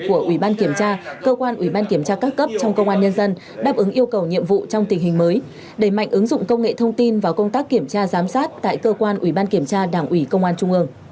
của ủy ban kiểm tra cơ quan ủy ban kiểm tra các cấp trong công an nhân dân đáp ứng yêu cầu nhiệm vụ